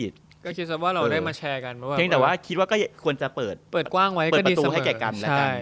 แต่ว่าคิดว่าก็ควรจะเปิดประตูให้แก่กัน